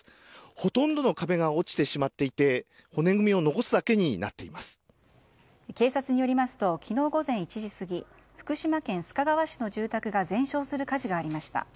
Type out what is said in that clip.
ほとんどの壁が落ちてしまっていて警察によりますと昨日午前１時過ぎ福島県須賀川市の住宅が全焼する火事がありました。